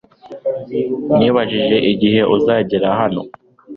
Nibajije igihe uzagera hano .